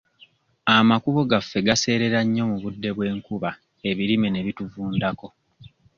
Amakubo gaffe gaseerera nnyo mu budde bw'enkuba ebirime ne bituvundako.